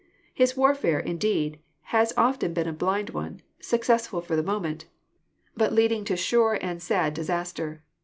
His warfare, indeed, has often been a blind one, successful for the moment, but 148 GEOLOGY leading to sure and sad disaster.